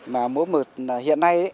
mỗi mùa hiện nay